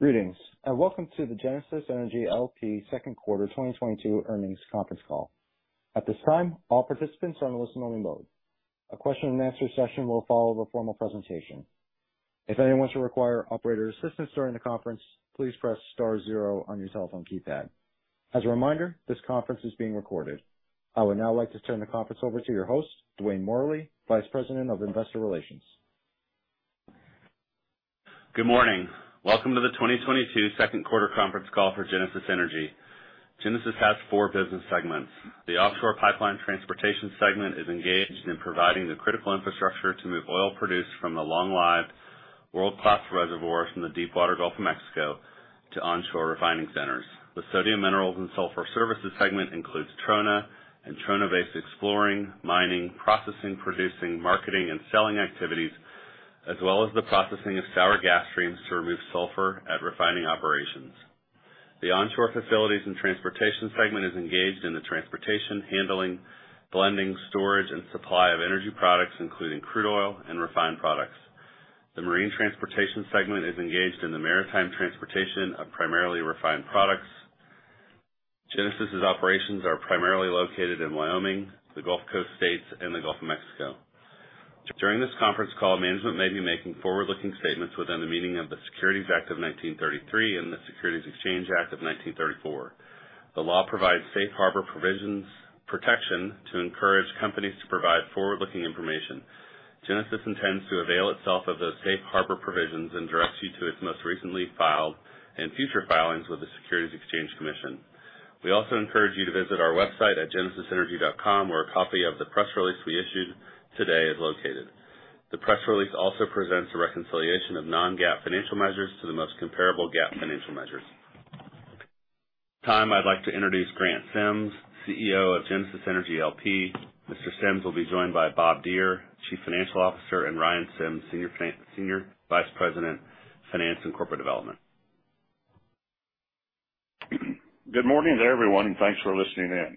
Greetings, and welcome to the Genesis Energy, L.P. second quarter 2022 earnings conference call. At this time, all participants are in listen-only mode. A question and answer session will follow the formal presentation. If anyone should require operator assistance during the conference, please press star zero on your telephone keypad. As a reminder, this conference is being recorded. I would now like to turn the conference over to your host, Dwayne Morley, Vice President of Investor Relations. Good morning. Welcome to the 2022 second quarter conference call for Genesis Energy. Genesis has four business segments. The offshore pipeline transportation segment is engaged in providing the critical infrastructure to move oil produced from the long-lived world-class reservoir from the deep water Gulf of Mexico to onshore refining centers. The sodium minerals and sulfur services segment includes trona and trona-based exploration, mining, processing, producing, marketing, and selling activities, as well as the processing of sour gas streams to remove sulfur at refining operations. The onshore facilities and transportation segment is engaged in the transportation, handling, blending, storage, and supply of energy products, including crude oil and refined products. The marine transportation segment is engaged in the maritime transportation of primarily refined products. Genesis's operations are primarily located in Wyoming, the Gulf Coast states, and the Gulf of Mexico. During this conference call, management may be making forward-looking statements within the meaning of the Securities Act of 1933 and the Securities Exchange Act of 1934. The law provides safe harbor provisions protection to encourage companies to provide forward-looking information. Genesis intends to avail itself of those safe harbor provisions and directs you to its most recently filed and future filings with the Securities and Exchange Commission. We also encourage you to visit our website at genesisenergy.com, where a copy of the press release we issued today is located. The press release also presents a reconciliation of non-GAAP financial measures to the most comparable GAAP financial measures. At this time, I'd like to introduce Grant Sims, CEO of Genesis Energy LP. Mr. Sims will be joined by Bob Deere, Chief Financial Officer, and Ryan Sims, Senior Vice President, Finance and Corporate Development. Good morning there, everyone, and thanks for listening in.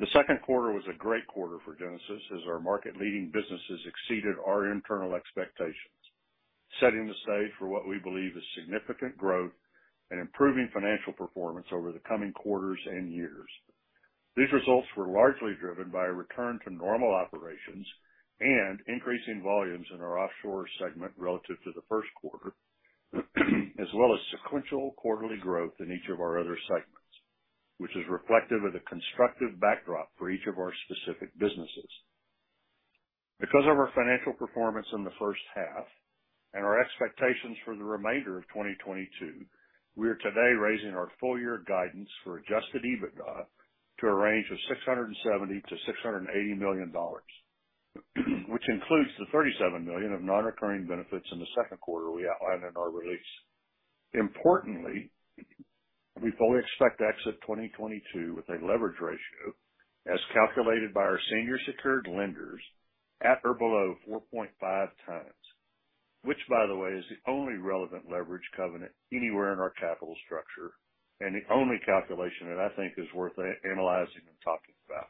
The second quarter was a great quarter for Genesis as our market-leading businesses exceeded our internal expectations, setting the stage for what we believe is significant growth and improving financial performance over the coming quarters and years. These results were largely driven by a return to normal operations and increasing volumes in our offshore segment relative to the first quarter, as well as sequential quarterly growth in each of our other segments, which is reflective of the constructive backdrop for each of our specific businesses. Because of our financial performance in the first half and our expectations for the remainder of 2022, we are today raising our full-year guidance for adjusted EBITDA to a range of $670 million-$680 million, which includes the $37 million of non-recurring benefits in the second quarter we outlined in our release. Importantly, we fully expect to exit 2022 with a leverage ratio as calculated by our senior secured lenders at or below 4.5 times, which by the way, is the only relevant leverage covenant anywhere in our capital structure, and the only calculation that I think is worth analyzing and talking about.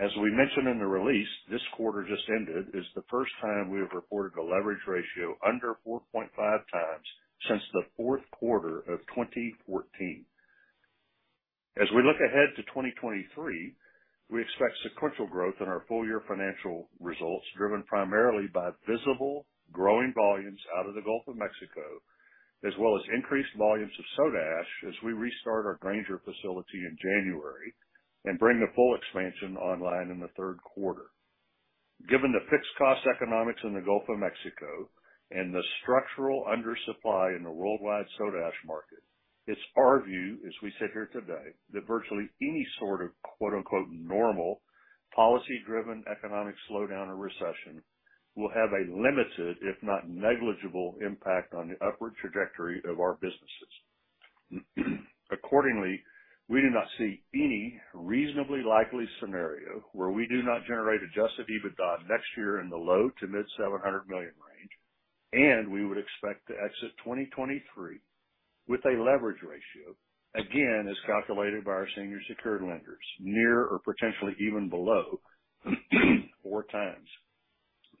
As we mentioned in the release, this quarter just ended is the first time we have reported a leverage ratio under 4.5 times since the fourth quarter of 2014. As we look ahead to 2023, we expect sequential growth in our full year financial results driven primarily by visible growing volumes out of the Gulf of Mexico, as well as increased volumes of soda ash as we restart our Granger facility in January and bring the full expansion online in the third quarter. Given the fixed cost economics in the Gulf of Mexico and the structural undersupply in the worldwide soda ash market, it's our view, as we sit here today, that virtually any sort of quote-unquote normal policy driven economic slowdown or recession will have a limited, if not negligible, impact on the upward trajectory of our businesses. Accordingly, we do not see any reasonably likely scenario where we do not generate adjusted EBITDA next year in the low- to mid-$700 million range, and we would expect to exit 2023 with a leverage ratio, again, as calculated by our senior secured lenders, near or potentially even below 4x.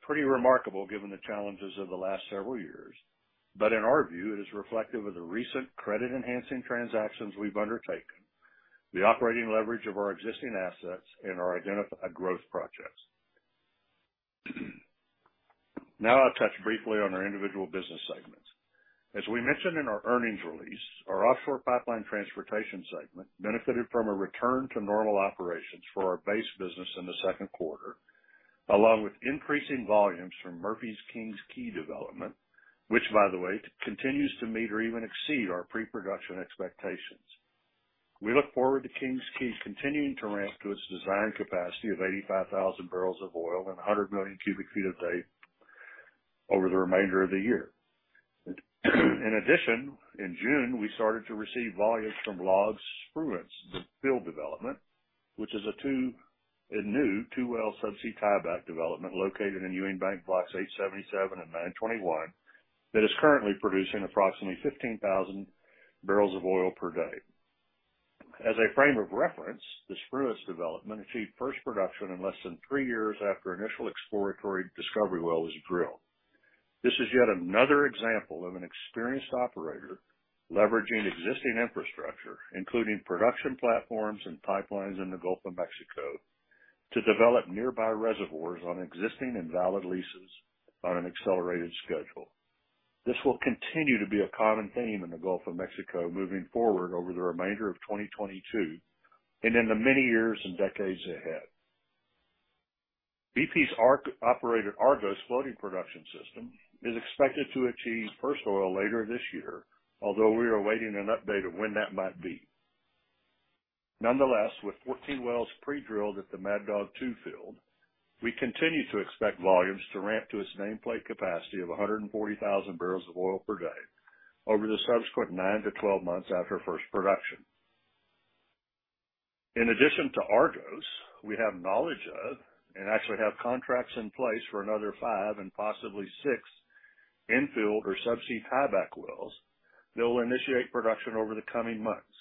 Pretty remarkable given the challenges of the last several years. In our view, it is reflective of the recent credit enhancing transactions we've undertaken, the operating leverage of our existing assets, and our identified growth projects. Now I'll touch briefly on our individual business segments. As we mentioned in our earnings release, our offshore pipeline transportation segment benefited from a return to normal operations for our base business in the second quarter, along with increasing volumes from Murphy's King's Quay development, which by the way, continues to meet or even exceed our pre-production expectations. We look forward to King's Quay continuing to ramp to its design capacity of 85,000 barrels of oil and 100 million cubic feet of gas over the remainder of the year. In addition, in June, we started to receive volumes from Leon/Spruance Field Development, which is a new two-well subsea tieback development located in Ewing Bank Blocks 877 and 921 that is currently producing approximately 15,000 barrels of oil per day. As a frame of reference, the Spruance development achieved first production in less than three years after initial exploratory discovery well was drilled. This is yet another example of an experienced operator leveraging existing infrastructure, including production platforms and pipelines in the Gulf of Mexico, to develop nearby reservoirs on existing and valid leases on an accelerated schedule. This will continue to be a common theme in the Gulf of Mexico moving forward over the remainder of 2022 and in the many years and decades ahead. BP-operated Argos floating production system is expected to achieve first oil later this year, although we are awaiting an update of when that might be. Nonetheless, with 14 wells pre-drilled at the Mad Dog 2 field, we continue to expect volumes to ramp to its nameplate capacity of 140,000 barrels of oil per day over the subsequent 9-12 months after first production. In addition to Argos, we have knowledge of and actually have contracts in place for another five and possibly six infill or subsea tieback wells that will initiate production over the coming months,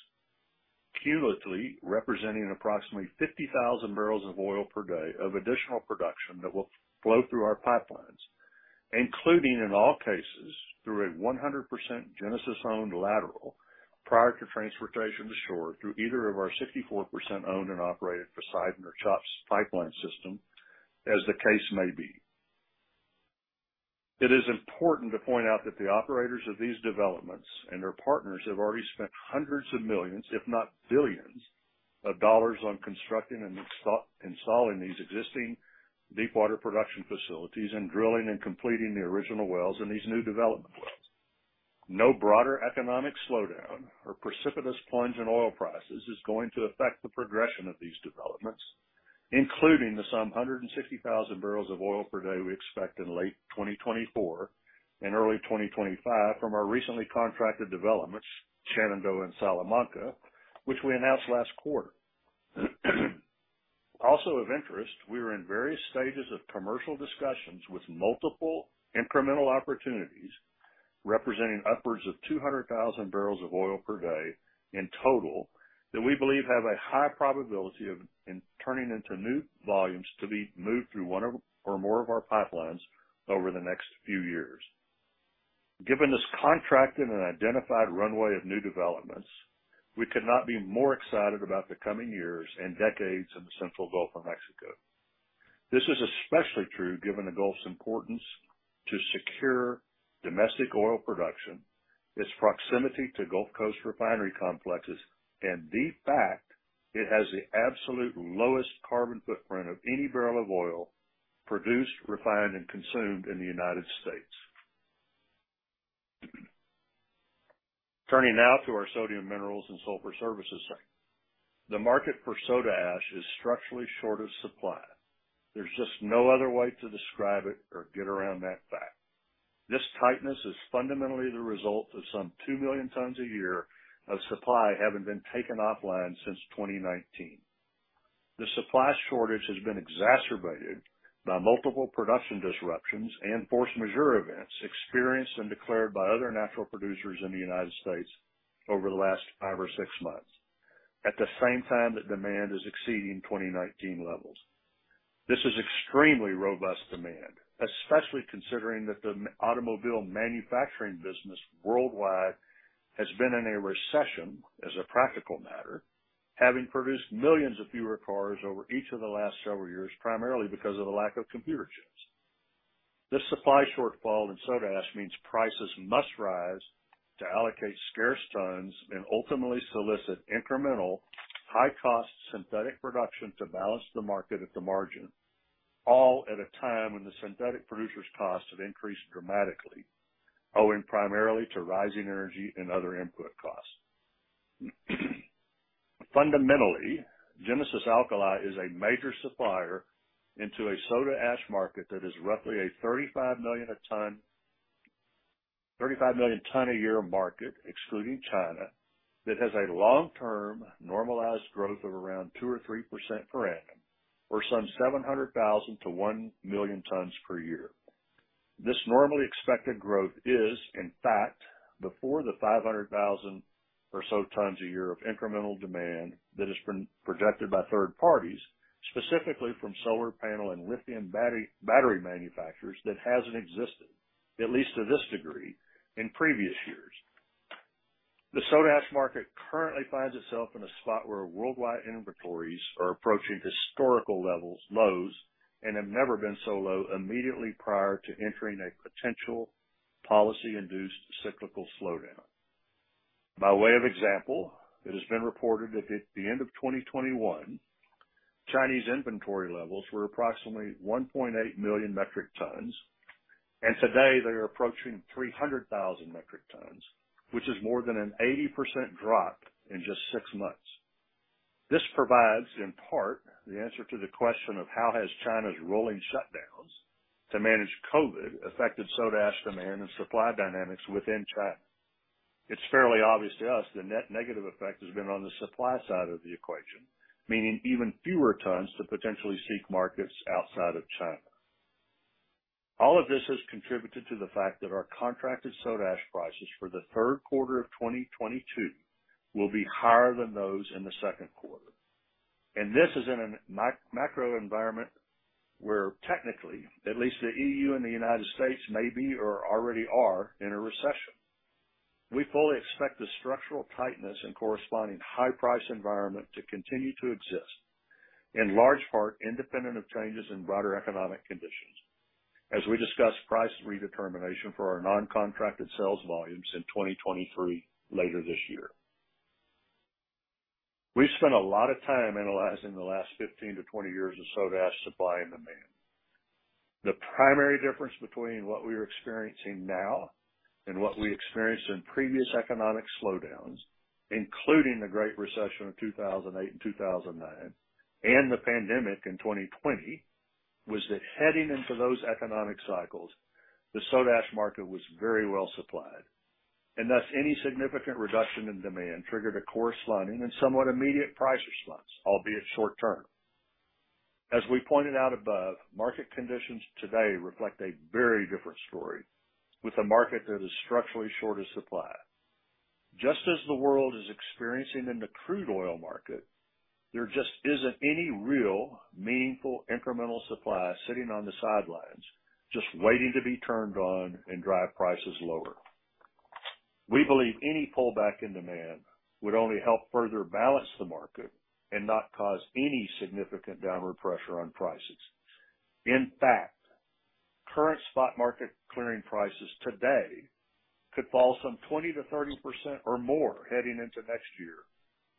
cumulatively representing approximately 50,000 barrels of oil per day of additional production that will flow through our pipelines, including, in all cases, through a 100% Genesis-owned lateral prior to transportation to shore through either of our 64% owned and operated Poseidon or CHOPS pipeline system, as the case may be. It is important to point out that the operators of these developments and their partners have already spent hundreds of millions, if not billions, of dollars on constructing and installing these existing deepwater production facilities and drilling and completing the original wells and these new development wells. No broader economic slowdown or precipitous plunge in oil prices is going to affect the progression of these developments, including some 160,000 barrels of oil per day we expect in late 2024 and early 2025 from our recently contracted developments, Shenandoah and Salamanca, which we announced last quarter. Also of interest, we are in various stages of commercial discussions with multiple incremental opportunities representing upwards of 200,000 barrels of oil per day in total that we believe have a high probability of turning into new volumes to be moved through one or more of our pipelines over the next few years. Given this contracted and identified runway of new developments, we could not be more excited about the coming years and decades in the central Gulf of Mexico. This is especially true given the Gulf's importance to secure domestic oil production, its proximity to Gulf Coast refinery complexes, and the fact it has the absolute lowest carbon footprint of any barrel of oil produced, refined, and consumed in the United States. Turning now to our Sodium Minerals and Sulfur Services segment. The market for soda ash is structurally short of supply. There's just no other way to describe it or get around that fact. This tightness is fundamentally the result of some 2 million tons a year of supply having been taken offline since 2019. The supply shortage has been exacerbated by multiple production disruptions and force majeure events experienced and declared by other natural producers in the United States over the last five or six months, at the same time that demand is exceeding 2019 levels. This is extremely robust demand, especially considering that the automobile manufacturing business worldwide has been in a recession as a practical matter, having produced millions of fewer cars over each of the last several years, primarily because of the lack of computer chips. This supply shortfall in soda ash means prices must rise to allocate scarce tons and ultimately solicit incremental high-cost synthetic production to balance the market at the margin, all at a time when the synthetic producer's costs have increased dramatically, owing primarily to rising energy and other input costs. Fundamentally, Genesis Alkali is a major supplier into a soda ash market that is roughly a 35 million ton a year market, excluding China, that has a long-term normalized growth of around 2% or 3% per annum, or some 700,000 to 1 million tons per year. This normally expected growth is, in fact, before the 500,000 or so tons a year of incremental demand that has been projected by third parties, specifically from solar panel and lithium battery manufacturers that hasn't existed, at least to this degree, in previous years. The soda ash market currently finds itself in a spot where worldwide inventories are approaching historical lows and have never been so low immediately prior to entering a potential policy-induced cyclical slowdown. By way of example, it has been reported that at the end of 2021, Chinese inventory levels were approximately 1.8 million metric tons, and today they are approaching 300,000 metric tons, which is more than an 80% drop in just six months. This provides, in part, the answer to the question of how has China's rolling shutdowns to manage COVID affected soda ash demand and supply dynamics within China. It's fairly obvious to us the net negative effect has been on the supply side of the equation, meaning even fewer tons to potentially seek markets outside of China. All of this has contributed to the fact that our contracted soda ash prices for the third quarter of 2022 will be higher than those in the second quarter. This is in a macro environment where technically, at least the EU and the United States may be or already are in a recession. We fully expect the structural tightness and corresponding high price environment to continue to exist, in large part independent of changes in broader economic conditions as we discuss price redetermination for our non-contracted sales volumes in 2023 later this year. We've spent a lot of time analyzing the last 15-20 years of soda ash supply and demand. The primary difference between what we are experiencing now and what we experienced in previous economic slowdowns, including the Great Recession of 2008 and 2009, and the pandemic in 2020, was that heading into those economic cycles, the soda ash market was very well supplied, and thus any significant reduction in demand triggered a corresponding and somewhat immediate price response, albeit short term. As we pointed out above, market conditions today reflect a very different story with a market that is structurally short of supply. Just as the world is experiencing in the crude oil market, there just isn't any real meaningful incremental supply sitting on the sidelines just waiting to be turned on and drive prices lower. We believe any pullback in demand would only help further balance the market and not cause any significant downward pressure on prices. In fact, current spot market clearing prices today could fall some 20%-30% or more heading into next year,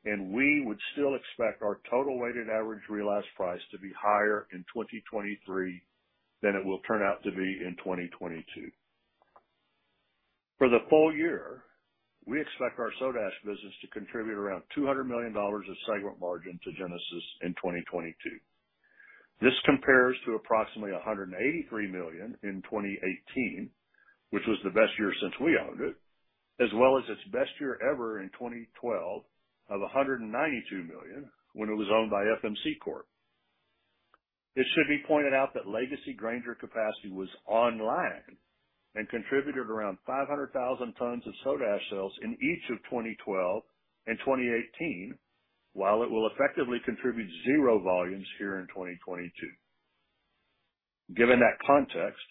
and we would still expect our total weighted average realized price to be higher in 2023 than it will turn out to be in 2022. For the full year, we expect our soda ash business to contribute around $200 million of segment margin to Genesis in 2022. This compares to approximately $183 million in 2018, which was the best year since we owned it, as well as its best year ever in 2012 of $192 million when it was owned by FMC Corp. It should be pointed out that legacy Granger capacity was online and contributed around 500,000 tons of soda ash sales in each of 2012 and 2018, while it will effectively contribute zero volumes here in 2022. Given that context,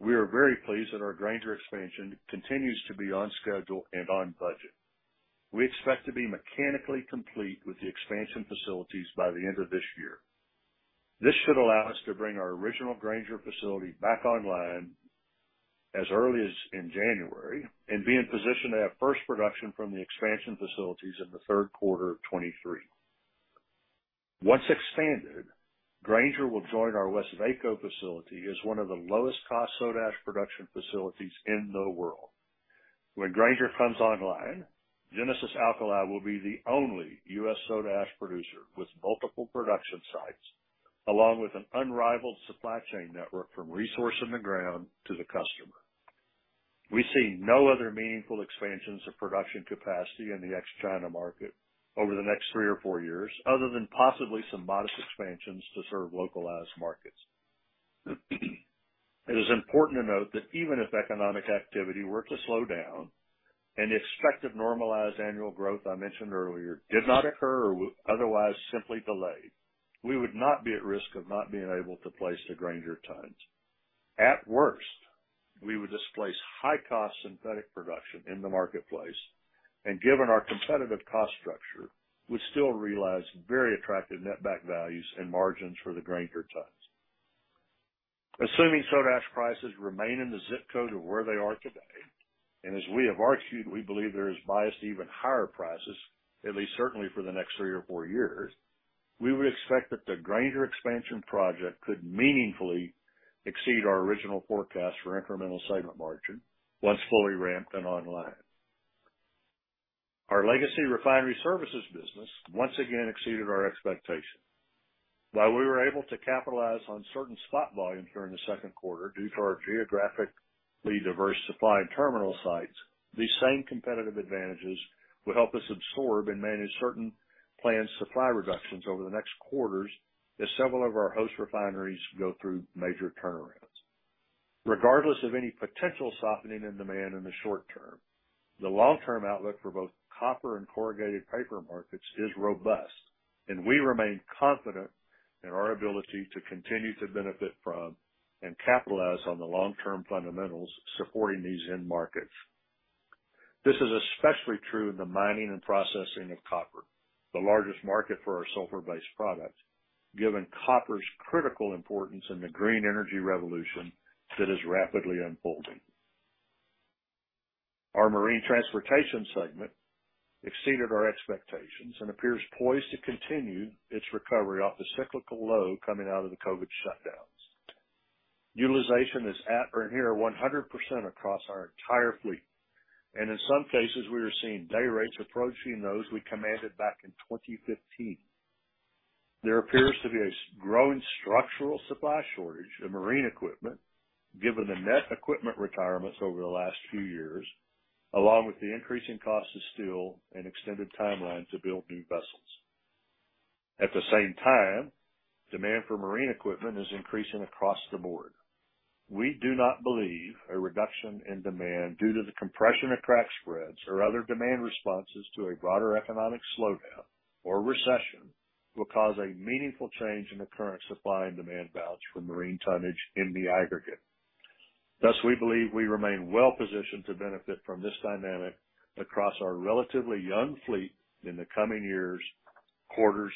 we are very pleased that our Granger expansion continues to be on schedule and on budget. We expect to be mechanically complete with the expansion facilities by the end of this year. This should allow us to bring our original Granger facility back online as early as in January and be in position to have first production from the expansion facilities in the third quarter of 2023. Once expanded, Granger will join our Westvaco facility as one of the lowest cost soda ash production facilities in the world. When Granger comes online, Genesis Alkali will be the only U.S. soda ash producer with multiple production sites, along with an unrivaled supply chain network from resource in the ground to the customer. We see no other meaningful expansions of production capacity in the ex-China market over the next three or four years other than possibly some modest expansions to serve localized markets. It is important to note that even if economic activity were to slow down and the expected normalized annual growth I mentioned earlier did not occur or otherwise simply delayed, we would not be at risk of not being able to place the Granger tons. At worst, we would displace high cost synthetic production in the marketplace, and given our competitive cost structure, we still realize very attractive net back values and margins for the Granger tons. Assuming soda ash prices remain in the zip code of where they are today, and as we have argued, we believe there is bias to even higher prices, at least certainly for the next three or four years, we would expect that the Granger expansion project could meaningfully exceed our original forecast for incremental segment margin once fully ramped and online. Our legacy refinery services business once again exceeded our expectations. While we were able to capitalize on certain spot volumes during the second quarter due to our geographically diverse supply and terminal sites, these same competitive advantages will help us absorb and manage certain planned supply reductions over the next quarters as several of our host refineries go through major turnarounds. Regardless of any potential softening in demand in the short term, the long-term outlook for both copper and corrugated paper markets is robust, and we remain confident in our ability to continue to benefit from and capitalize on the long-term fundamentals supporting these end markets. This is especially true in the mining and processing of copper, the largest market for our sulfur-based products, given copper's critical importance in the green energy revolution that is rapidly unfolding. Our Marine Transportation segment exceeded our expectations and appears poised to continue its recovery off the cyclical low coming out of the COVID shutdowns. Utilization is at or near 100 across our entire fleet, and in some cases, we are seeing day rates approaching those we commanded back in 2015. There appears to be a growing structural supply shortage of marine equipment given the net equipment retirements over the last few years, along with the increasing cost of steel and extended timeline to build new vessels. At the same time, demand for marine equipment is increasing across the board. We do not believe a reduction in demand due to the compression of crack spreads or other demand responses to a broader economic slowdown or recession will cause a meaningful change in the current supply and demand balance for marine tonnage in the aggregate. Thus, we believe we remain well-positioned to benefit from this dynamic across our relatively young fleet in the coming years, quarters,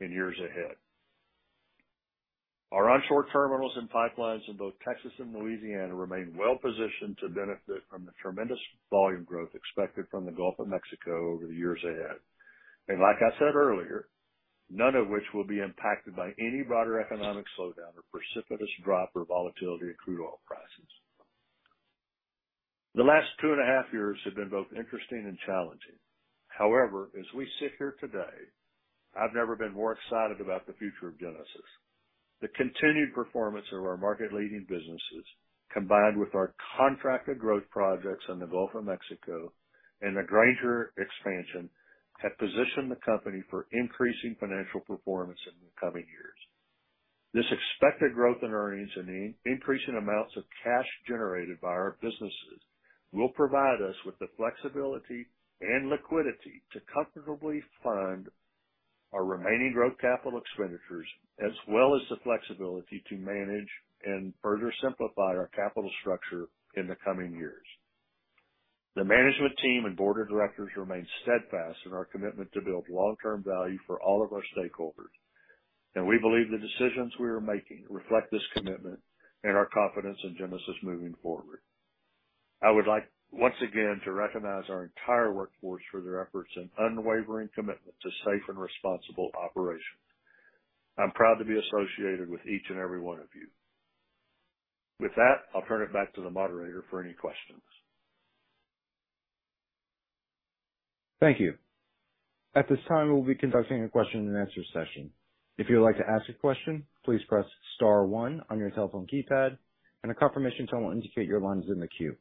and years ahead. Our onshore terminals and pipelines in both Texas and Louisiana remain well-positioned to benefit from the tremendous volume growth expected from the Gulf of Mexico over the years ahead. Like I said earlier, none of which will be impacted by any broader economic slowdown or precipitous drop or volatility in crude oil prices. The last two and a half years have been both interesting and challenging. However, as we sit here today, I've never been more excited about the future of Genesis. The continued performance of our market-leading businesses, combined with our contracted growth projects in the Gulf of Mexico and the Granger expansion, have positioned the company for increasing financial performance in the coming years. This expected growth in earnings and the increasing amounts of cash generated by our businesses will provide us with the flexibility and liquidity to comfortably fund our remaining growth capital expenditures, as well as the flexibility to manage and further simplify our capital structure in the coming years. The management team and board of directors remain steadfast in our commitment to build long-term value for all of our stakeholders, and we believe the decisions we are making reflect this commitment and our confidence in Genesis moving forward. I would like once again to recognize our entire workforce for their efforts and unwavering commitment to safe and responsible operations. I'm proud to be associated with each and every one of you. With that, I'll turn it back to the moderator for any questions. Thank you. At this time, we'll be conducting a question-and-answer session. If you would like to ask a question, please press star one on your telephone keypad, and a confirmation tone will indicate your line is in the queue.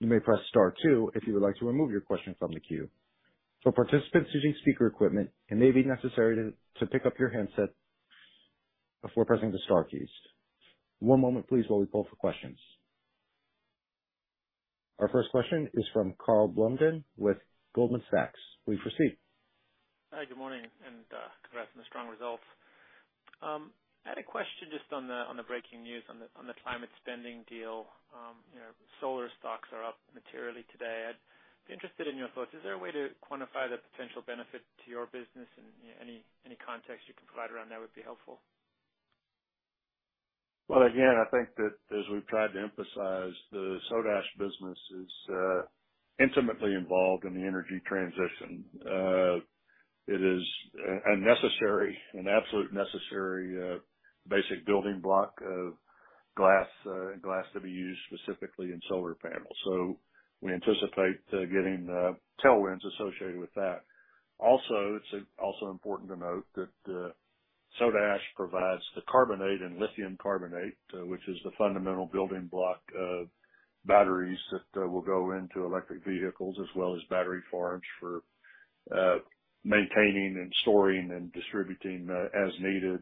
You may press star two if you would like to remove your question from the queue. For participants using speaker equipment, it may be necessary to pick up your handset before pressing the star keys. One moment please while we poll for questions. Our first question is from Michael Blum with Wells Fargo. Please proceed. Hi, good morning, and congrats on the strong results. I had a question just on the breaking news on the climate spending deal. You know, solar stocks are up materially today. I'd be interested in your thoughts. Is there a way to quantify the potential benefit to your business? Any context you can provide around that would be helpful. Well, again, I think that as we've tried to emphasize, the soda ash business is intimately involved in the energy transition. It is a necessary, an absolutely necessary, basic building block of glass to be used specifically in solar panels. We anticipate getting tailwinds associated with that. Also, it's also important to note that soda ash provides the carbonate and lithium carbonate, which is the fundamental building block of batteries that will go into electric vehicles, as well as battery farms for maintaining and storing and distributing as needed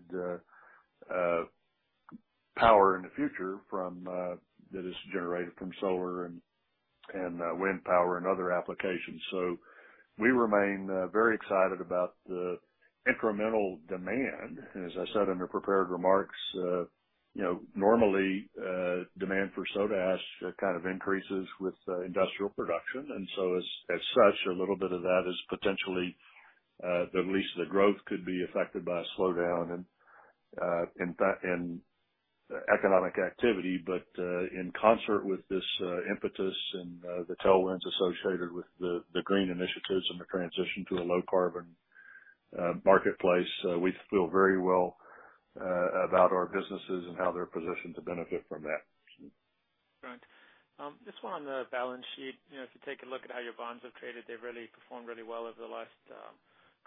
power in the future from that is generated from solar and wind power and other applications. We remain very excited about the incremental demand. As I said in the prepared remarks, you know, normally, demand for soda ash kind of increases with industrial production. As such, a little bit of that is potentially, at least the growth could be affected by a slowdown, in fact, in economic activity. In concert with this, impetus and the tailwinds associated with the green initiatives and the transition to a low carbon marketplace, we feel very well about our businesses and how they're positioned to benefit from that. Right. Just one on the balance sheet. You know, if you take a look at how your bonds have traded, they've really performed really well over the last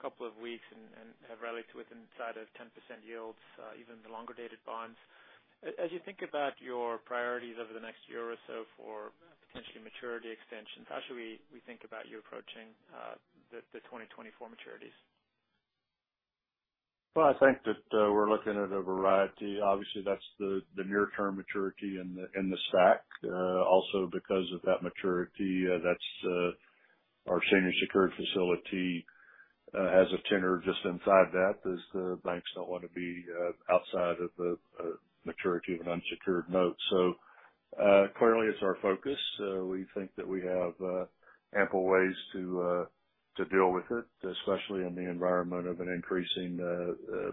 couple of weeks and have rallied to inside of 10% yields, even the longer-dated bonds. As you think about your priorities over the next year or so for potentially maturity extensions, how should we think about you approaching the 2024 maturities? Well, I think that we're looking at a variety. Obviously, that's the near-term maturity in the stack. Also because of that maturity, that's our senior secured facility has a tenor just inside that as the banks don't want to be outside of the maturity of an unsecured note. Clearly it's our focus. We think that we have ample ways to deal with it, especially in the environment of an increasing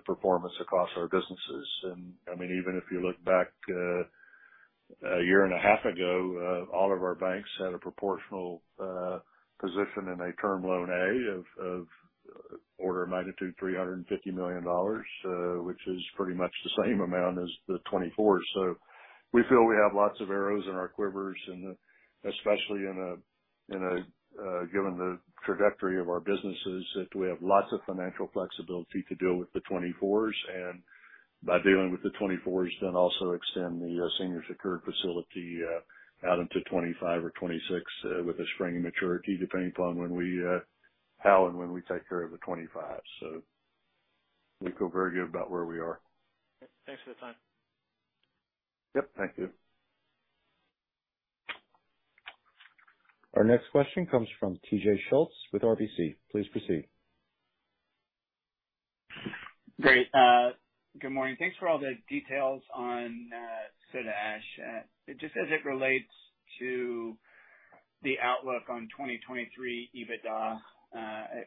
performance across our businesses. I mean, even if you look back a year and a half ago, all of our banks had a proportional position in a Term Loan A on the order of magnitude $350 million, which is pretty much the same amount as the 2024s. We feel we have lots of arrows in our quivers, and especially given the trajectory of our businesses, that we have lots of financial flexibility to deal with the 2024s and by dealing with the 2024s, then also extend the senior secured facility out into 2025 or 2026 with a spring maturity, depending upon how and when we take care of the 2025. We feel very good about where we are. Thanks for the time. Yep. Thank you. Our next question comes from TJ Schultz with RBC. Please proceed. Great. Good morning. Thanks for all the details on soda ash. Just as it relates to the outlook on 2023 EBITDA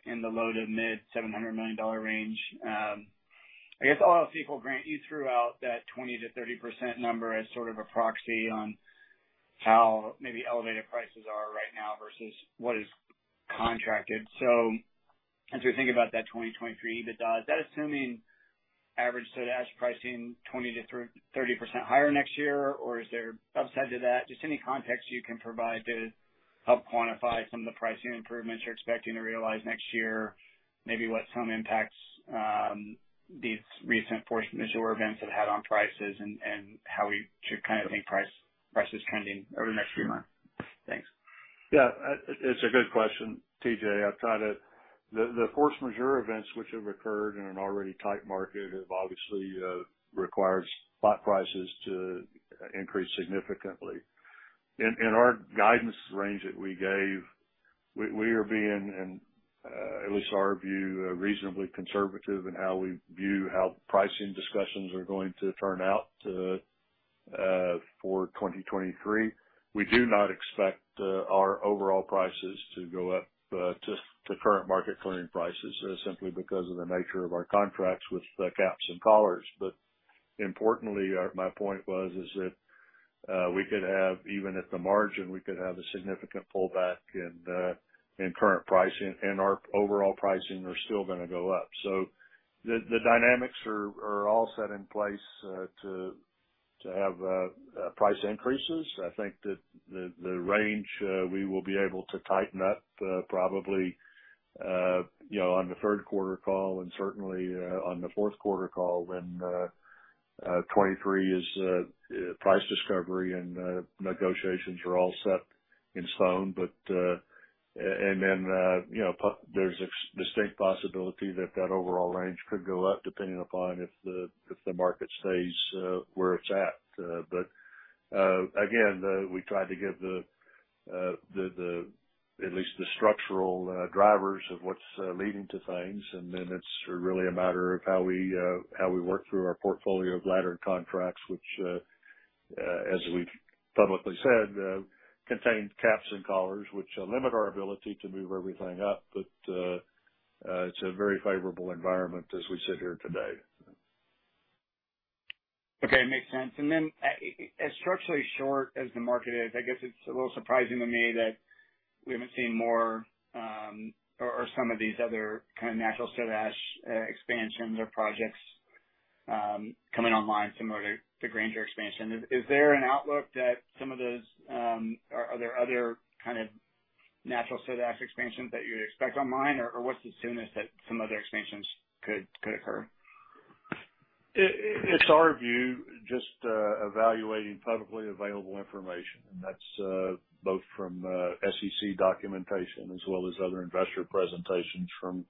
in the low- to mid-$700 million range. I guess all else equal, Grant, you threw out that 20%-30% number as sort of a proxy on how maybe elevated prices are right now versus what is contracted. As we think about that 2023 EBITDA, is that assuming average soda ash pricing 20%-30% higher next year, or is there upside to that? Just any context you can provide to help quantify some of the pricing improvements you're expecting to realize next year, maybe what some impacts these recent force majeure events have had on prices and how we should kind of think price is trending over the next few months. Thanks. Yeah. It's a good question, TJ. The force majeure events which have occurred in an already tight market have obviously required spot prices to increase significantly. In our guidance range that we gave, we are being, at least our view, reasonably conservative in how we view how pricing discussions are going to turn out to for 2023. We do not expect our overall prices to go up to current market clearing prices simply because of the nature of our contracts with the caps and collars. Importantly, my point is that we could have even at the margin a significant pullback in current pricing, and our overall pricing is still going to go up. The dynamics are all set in place to have price increases. I think that the range we will be able to tighten up probably, you know, on the third quarter call and certainly on the fourth quarter call when 2023 is price discovery and negotiations are all set in stone. You know, there's a distinct possibility that the overall range could go up depending upon if the market stays where it's at. Again, we tried to give at least the structural drivers of what's leading to things, and then it's really a matter of how we work through our portfolio of laddered contracts, which, as we've publicly said, contain caps and collars, which limit our ability to move everything up. It's a very favorable environment as we sit here today. Okay. Makes sense. As structurally short as the market is, I guess it's a little surprising to me that we haven't seen more, or some of these other kind of natural soda ash expansions or projects coming online similar to Granger expansion. Is there an outlook that some of those? Are there other kind of natural soda ash expansions that you'd expect online, or what's the soonest that some other expansions could occur? It's our view, just evaluating publicly available information, and that's both from SEC documentation as well as other investor presentations from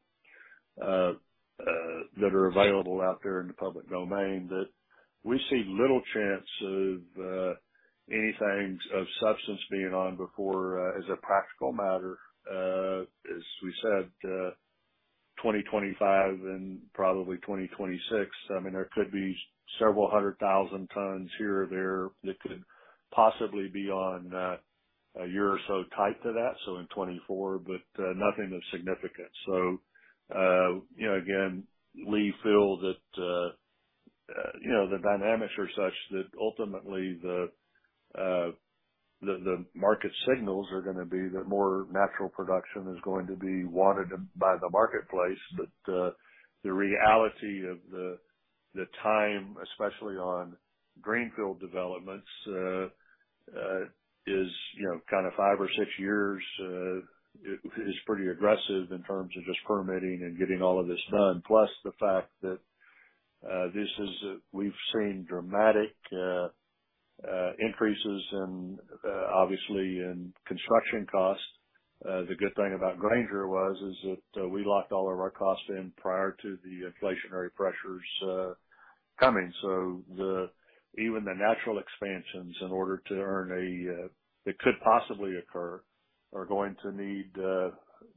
that are available out there in the public domain, that we see little chance of anything of substance being on before, as a practical matter, as we said, 2025 and probably 2026. I mean, there could be several hundred thousand tons here or there that could possibly be on a year or so tight to that, so in 2024, but nothing of significance. You know, again, we feel that the dynamics are such that ultimately the market signals are gonna be that more natural production is going to be wanted by the marketplace. The reality of the time, especially on greenfield developments, is, you know, kind of 5 or 6 years is pretty aggressive in terms of just permitting and getting all of this done. The fact that we've seen dramatic increases in, obviously, in construction costs. The good thing about Granger is that we locked all of our costs in prior to the inflationary pressures coming. Even the natural expansions that could possibly occur are going to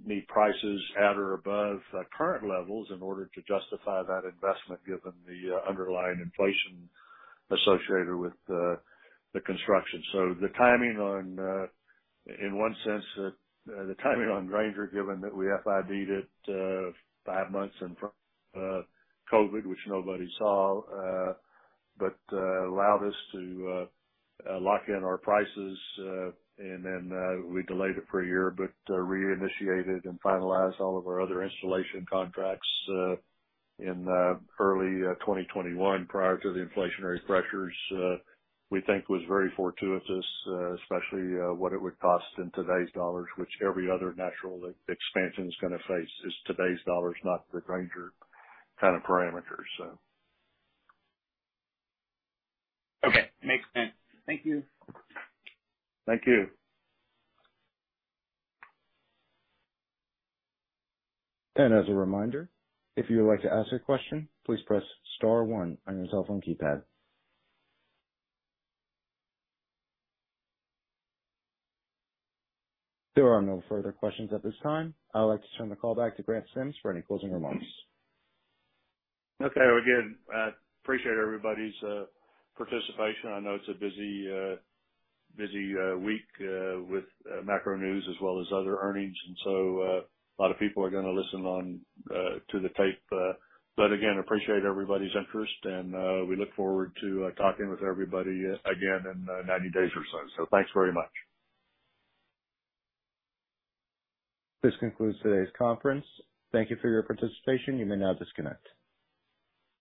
need prices at or above current levels in order to justify that investment given the underlying inflation associated with the construction. In one sense, the timing on Granger, given that we FID-ed it five months in front of COVID, which nobody saw, but allowed us to lock in our prices, and then we delayed it for a year, but reinitiated and finalized all of our other installation contracts in early 2021 prior to the inflationary pressures, we think was very fortuitous, especially what it would cost in today's dollars, which every other natural expansion is gonna face, is today's dollars, not the Granger kind of parameters. Okay. Makes sense. Thank you. Thank you. As a reminder, if you would like to ask a question, please press star one on your cell phone keypad. There are no further questions at this time. I would like to turn the call back to Grant Sims for any closing remarks. Okay. Well, again, I appreciate everybody's participation. I know it's a busy week with macro news as well as other earnings, and so a lot of people are gonna listen on to the tape. But again, appreciate everybody's interest and we look forward to talking with everybody again in 90 days or so. Thanks very much. This concludes today's conference. Thank you for your participation. You may now disconnect.